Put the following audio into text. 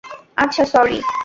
আচ্ছা, স্যরি।